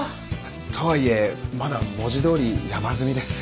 とはいえまだ文字どおり山積みです。